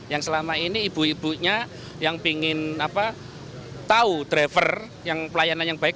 yang selama ini ibu ibunya yang ingin tahu driver pelayanan yang baik